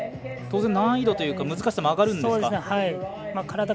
難易度というか難しさも上がるんですか。